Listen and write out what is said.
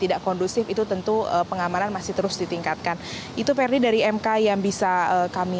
tidak kondusif itu tentu pengamanan masih terus ditingkatkan itu ferdi dari mk yang bisa kami